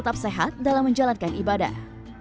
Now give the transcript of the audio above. jemaah bisa tetap sehat dalam menjalankan ibadah